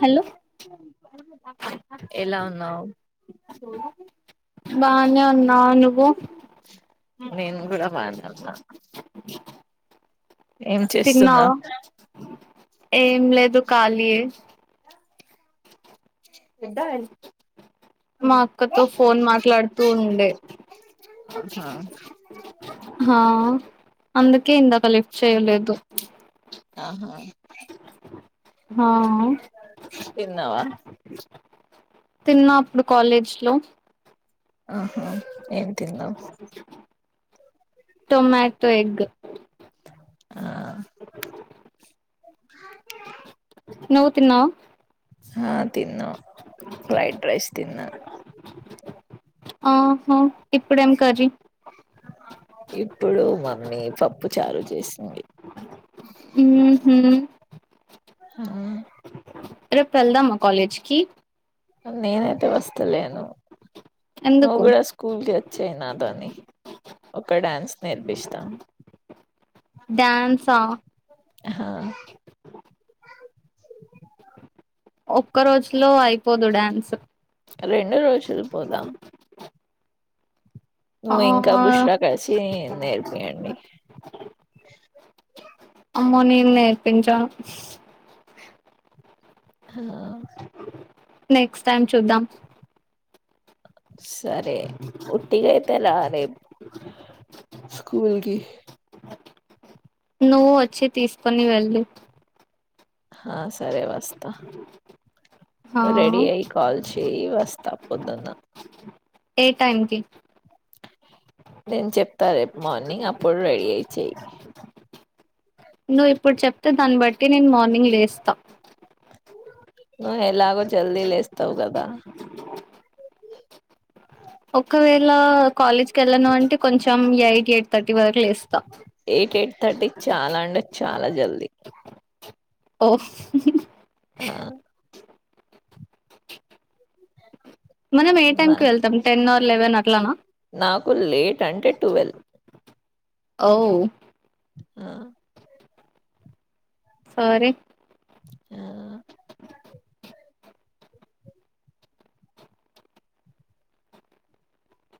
Hello ఎలా ఉన్నావ్ [inaudible] బానే ఉన్నా నువ్వు నేను కూడా బానే ఉన్నా ఏం చేస్తున్నావ్ తిన్నావా ఏం లేదు ఖాళియే ఎట్ ద ఎల్ మా అక్కతో ఫోన్ మాట్లాడుతూ ఉండే ఆహా హా అందుకే ఇందాక లిఫ్ట్ చేయలేదు ఆహా హా తిన్నావా తిన్నా అప్పుడు కాలేజ్ లో ఆహా ఏమ్ తిన్నావ్ టొమాటో ఎగ్ ఆ నవు తిన్నావా ఆ తిన్న ఫ్రైడ్ రైస్ తిన్న ఆహా ఇప్పుడేం కర్రీ ఇప్పుడు మమ్మీ పప్పుచారు చేసింది ఊహూ ఆ రేప్ వేల్దామా కాలేజ్ కి నేనైతే వస్తలేను నూ ఎందుకు గూడా స్కూల్కి వచ్చేయ్ నాతోని ఒక డ్యాన్స్ నేర్పిస్తా డ్యాన్సా ఆహా ఒక్క రోజులో అయిపోదు డ్యాన్స్ రెండు రోజులు పోదాం ఆ నువ్వు ఇంకా బుష్రా కలిసి నేర్పియండి అమ్మో నేన్ నేర్పించా హ నెక్స్ట్ టైమ్ చూద్దాం సరే ఉట్టి గైతే రా రేపు స్కూల్కి నువ్వు వచ్చి తీసుకొని వెళ్లు ఆ సరే వస్తా ఆ రెడీ అయ్ కాల్ చెయ్ వస్తా పోదున్న ఏ టైమ్కి నేన్ చెప్తా రేపు మార్నింగ్ అప్పుడు రెడీ అయి చెయ్ నువ్ ఇప్పుడు చెప్తే దాన్ని బట్టి నేను మార్నింగ్ లేస్తా నూ ఎలాగో జల్దీ లేస్తావ్ కదా ఒకవేళ కాలేజ్కి వెళ్ళను అంటే కొంచెం ఎయి ఎయిట్ ఎయిట్ థర్టీ చాలా అంటే చాలా జల్దీ ఓ ఆ మనం ఏ టైమ్ నా కి వెళ్తాం టెన్ ఆర్ లెవెన్ అట్లానా నాకు లేట్ అంటే ట్వెల్వ్ ఓ ఆ సరే ఆ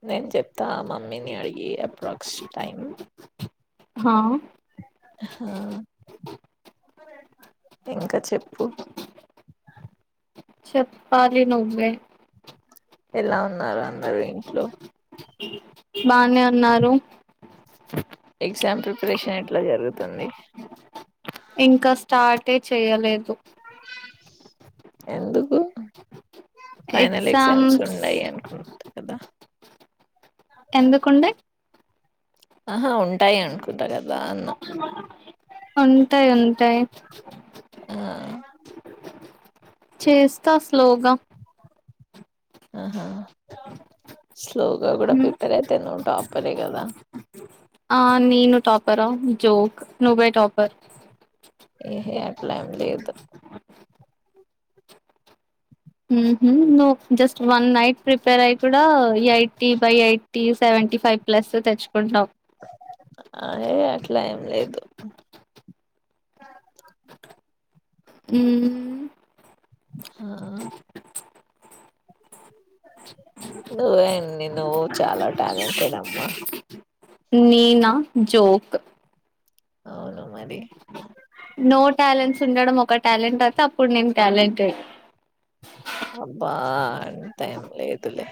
నేను చెప్తా మమ్మీని అడిగి అప్రాక్స్ టైం హా ఆ ఇంకా చెప్పు చెప్పాల నువ్వే ఎలా ఉన్నారు అందరుూ ఇంట్లో బానే ఉన్నారు ఎగ్జామ్ ప్రిపరేషన్ ఎట్లా జరుగుతుంది ఇంకా స్టార్టే చేయలేదు ఎందుకు ఫైనల్ ఎగ్జామ్స్ ఉన్నాయి అనుకుంట కదా ఎందుకండ ఆహా ఉంటాయి అనుకుంటా కదా అన్న ఉంటాయి ఉంటాయి ఆ చేస్తా శ్లోగా ఆ స్లోగా కూడా ప్రిపర్ అయితే నో టాపర్ే కదా ఆ నీను టాపర్ జోక్ ను బై టాపర్ ఏహ అట్లా ఏం లేదు ను్ జస్ట్ వన్ నైట్ ప్రిపేర్ అయి కూడా ఈ IT by IT seventy five plus తెచ్చ కొన్నా ఆ! ఏ అట్లా ఏం లేదు హ ఆా నువ ను్వు చాలా ట్యాాలెంటెడ్ అమ్మా నీనా జోక్ అవును మరి నో ట్యాలెంట్ తండడం ఒక టాలెంట్ అయితే అప్పుడు నేను టాలెంట్ అబ్బా అంత ఏం లేదులే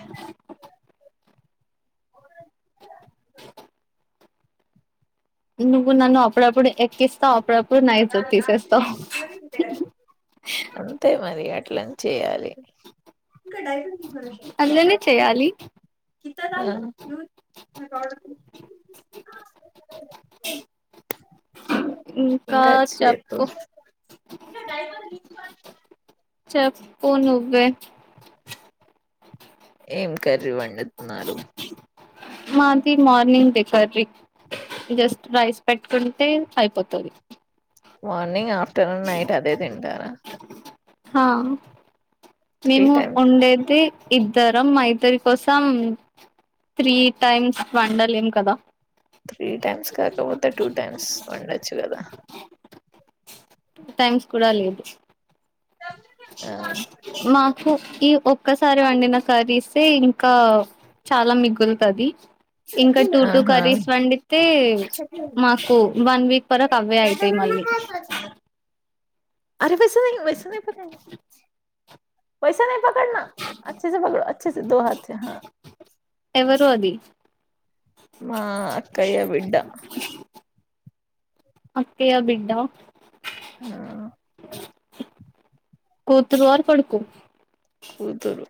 నుకు నన్న అప్పుడప్పుడు కిస్తతో అప్పుడుపుడు న తీసెస్తతో అట్ల చేయాలి ఇకా డైబష అట్లనే చేయాలి. క మీ [inaudible] ఇంకా చెప్పు చెప్ప నువ్వే ఏం కర్రీ వండుతున్నారు మాది morning the curry just rice పెట్టుకుంటే అయిపోతుంది మార్నింగ్ ఆఫ్టర్నూన్ నైట్ అదే తింటార హా త్రీ మేము టైమ్ ఉండేది ఇద్దరం మా ఇద్దరి కోసం త్రీ టైమ్స్ వండలేం కదా త్రీ టైమ్స్ కాకపోతే టూ టైమ్స్ వండొచ్చు గదా టూ టైమ్స్ కూడా లేదు ఆ మాకు ఈ ఒక్కసారి వండిన కర్రీస్సే ఇంకా చాలా మిగులుతది ఇంకా టూ టూ కర్రీస్ వండితే మాకు వన్ వీక్ వరకు అవే అయితాయి మళ్ళి అర వసమై వసమైపొనాయె వసమే పకడ్నా అచ్చేసే పకడ్ అచ్చేసే దో హాథ్ సే హా ఎవరు అది మా అక్కయ్య బిడ్డ అక్కయ బిడ్డ ఆ కూతురు ఆర్ కొడుకు కూతురు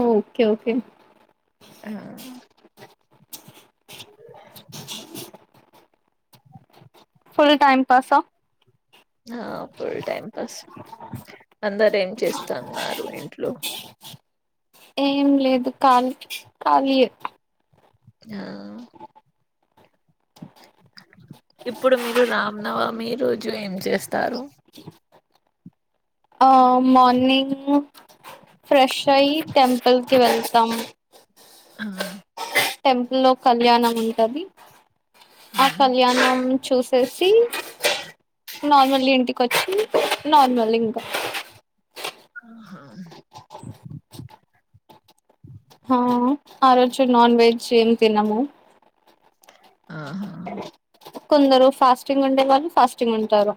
ఓకే ఓకే ఆ ఫుల్ టైమ్ పాసా ఆ ఫుల్ టైం పాస్ అందరేం చేస్తాన్నారు ఇంట్లో ఏం లేదు ఖాలీ ఖాలీయె ఆ ఇప్పుడు మీరు రామ్నవమి రోజు ఏం చేస్తారు ఆ మార్నింగ్ ఫ్రెష్ అయి టెంపుల్కి వెళ్తాం ఆ టెంపుల్ లో కళ్యాణం ఉంటది ఆ కళ్యాణం చూసేసి నార్మల్ ఇంటికొచ్చి నార్మల్ ఇంక ఆహా హా ఆ రోజు నాన్ వెజ్ ఏం తినము ఆహా కొందరు ఫాస్టింగ్ ఉండే వాళ్ళు ఫాస్టింగ్ ఉంటారు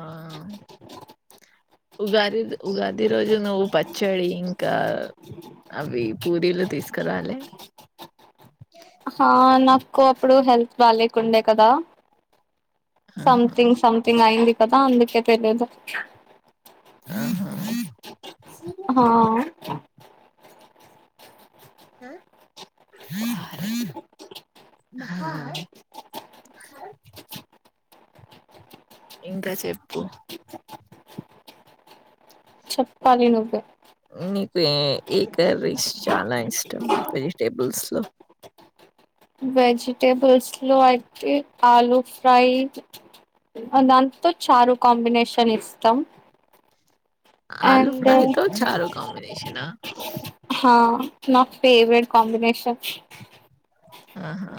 ఆ ఉగాదిదు ఉగాది రోజు నువ్వు పచ్చడి ఇంకా అవి పూరీలు తీసుకురాలే ఆ నాకు అప్పుడు హెల్త్ బాలేకుండే కదా ఆహా, సంథింగ్ సంథింగ్ అయింది కదా అందుకే తెలీదు ఆహా హా ఆ హా ఇంక చెప్పు చెప్పాలి నువ్వే మీకు ఏ కర్రీస్ చాలా ఇష్టం వెజిటేబుల్స్ లో వెజిటేబుల్స్ లో అయితే ఆలూ ఫ్రై దాంతో చారు కాంబినేషన్ ఇష్టం ఆలు అండ్ ఫ్రై తో చారు కాంబినేషనా హా న ఫేవ్రెట్ కాంబినేషన్ అహా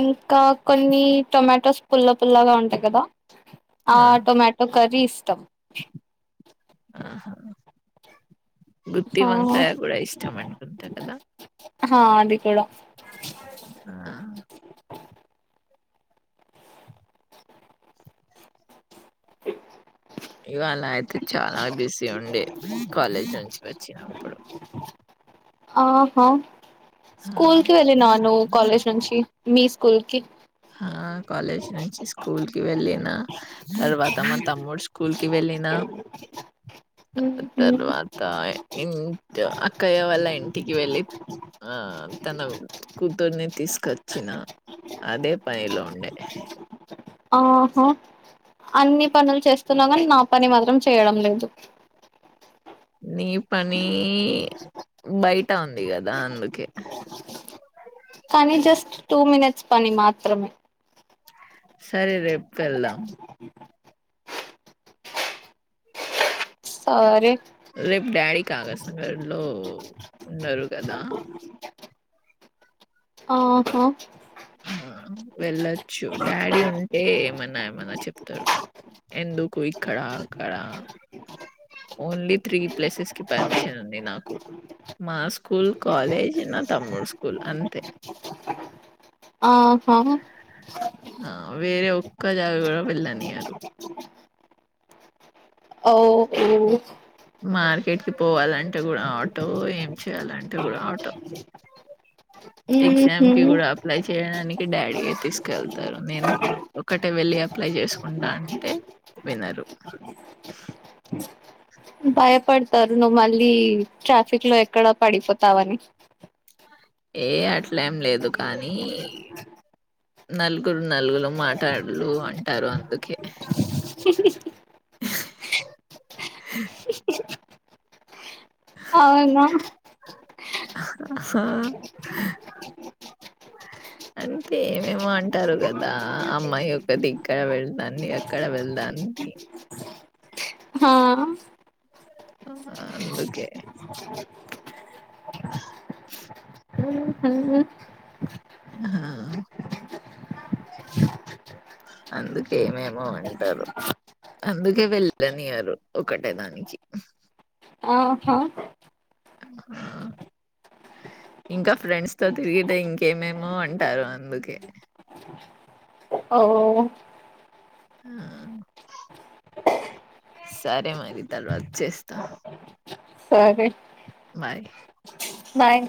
ఇంకా కొన్ని టమాటోస్ పుల్ల పుల్లాగా ఉంటయ్ కదా ఆ టొమాటో కర్రీస్టం ఆహా గుత్తి ఆ వంకాయ కూడా ఇష్టం అనుకుంట కదా హా అది కుడా ఆ [inaudible] ఇవాళ ఐతే చాలా బిజీ ఉండే కాలేజ్ నుంచి ఒచ్చినప్పుడు ఆహా ఆ స్కూల్కి వెళ్ళినవ నువు కాలేజ్ నుంచి మీ స్కూల్కి ఆ కలేజ్ నుంచి స్కూల్ కి వెళ్ళిన తర్వాత మా తమ్ముడు స్కూల్కి వెళ్ళిన ఉహు తర్వాత ఇ ఇంట్ అక్కయ్య వాళ్ళ ఇంటికి వెళ్ళి ఆ తన కూతుర్ని తీస్కొచ్చిన అదే పయ్లో ఉండే ఓహో అన్ని పనులు చేస్తున్నవ్ గనీ మా పని మాత్రం చేయడం లేదు నీ పనీ బయట ఉంది గదా అందుకె కనీ జస్ట్ టూ మినట్స్ పని మాత్రమె సరే రేప్ వెళ్దం సారె రేప్ డాడీ కాగసగర్లో ఉన్నరు వాదా ఔహో వెళ్ళొచ్చు డాడీ ఉంటే ఏమన్న ఏమన్న చెప్ తడు ఎందుకు ఇక్కడా అక్కడా ఓన్లీ త్రీ ప్లేసెస్కి పర్మిషన్ ఉంది నాకు మా స్కూల్, కాలేజీ, నా తమ్ముడు స్కూల్ అంతే ఆహా క్కజా గుడా వెళ్ళనియారు ఓ ఉ మార్కెట్కి పోవాలంటే గుడా ఆటో ఏం చేయాలంటే గుడా ఆటో ఎగ్జామ్కి గుడా అప్లై చేయడాని డాడీ ఎ తీసుకెళ్తారు నేన్ ఒకటే వెళ్లి అప్లై చేస్కుంట అంటే వినరు [inaudible] భయపడ్తారు ను మళ్ళీ ట్రాఫిక్లో ఎక్కడ పడిపోతావని ఏ అట్లేం లేదు కానీ నల్గురు నలుగులు మాటడులు అంటారు అందుకే [inaudible] ఔనా హా హా అంటే ఏమేమో అంటారు గదా అమ్మాయి ఒక్కతి ఇక్కడ వెళ్దాన్ది అక్కడ వెళ్దా ది హా అందుకే ఆ అందుకేమేమో అంటారు అందుకే వెళ్ళనియారు ఒకటే దానికి ఆహా [inaudible] ఇంకా ఫ్రెండ్స్ తో తిరిగితే ఇంకేమేమో అంటారు అందుకే ఓ ఆ [unintelligible] సరే మరి తర్వాత చేస్తా సరే బాయ్ భాయ్